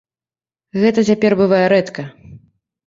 Гэта цяпер бывае рэдка.